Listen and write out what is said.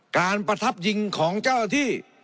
ประทับยิงของเจ้าหน้าที่